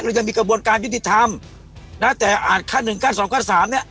เรายังมีกระบวนการยุทธิธรรมตั้งแต่อ่านขั้นหนึ่งขั้นสองขั้นสาม